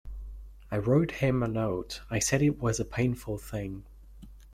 I wrote him a note, I said it was a painful thing.